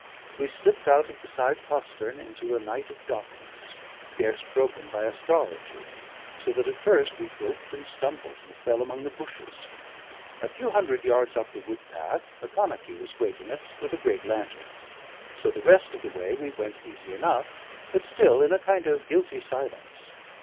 We slipped out of the side postern into a night of darkness, scarce broken by a star or two; so that at first we groped and stumbled and fell among the bushes. A few hundred yards up the wood path Macconochie was waiting us with a great lantern; so the rest of the way we went easy enough, but still in a kind of guilty silence.